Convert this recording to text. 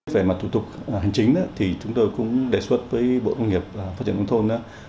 về mặt thủ tục hành chính thì chúng tôi cũng đề xuất với bộ nông nghiệp và phát triển nông thôn